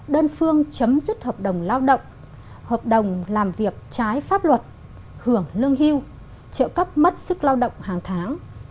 đơn phương chấm dứt hợp đồng lao động hợp đồng làm việc trái pháp luật hưởng lương hưu trợ cấp mất sức lao động hàng tháng